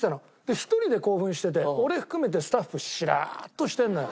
１人で興奮してて俺含めてスタッフしらーっとしてるのよ。